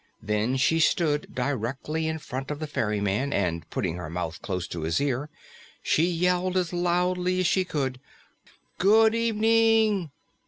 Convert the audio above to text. Then she stood directly in front of the ferryman, and putting her mouth close to his ear, she yelled as loudly as she could, "Good evening!"